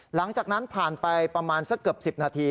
หลังจากนั้นผ่านไปประมาณสักเกือบ๑๐นาที